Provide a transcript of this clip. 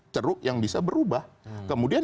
ceruk yang bisa berubah kemudian